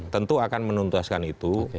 tentu akan menuntaskan itu